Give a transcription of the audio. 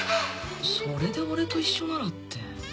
それで俺と一緒ならって。